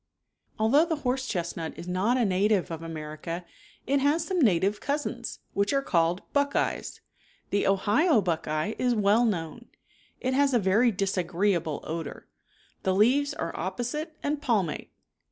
Although the horse chestnut is not a native of America it some native cousins, which called buckeyes. The Ohio buck eye is well known. It has a very disagreeable odor. The leaves are opposite and palmate.